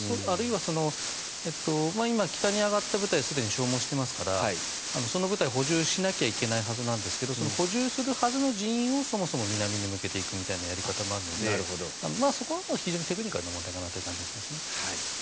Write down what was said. あるいは今、北に上がった部隊はすでに消耗していますからその部隊を補充しなきゃいけないはずなんですがその補充するはずの人員をそもそも南に向けていくというやり方もあるのでそこは非常にテクニカルな問題かなという感じがします。